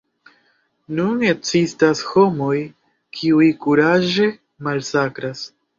Nun ekzistas homoj, kiuj kuraĝe masakras.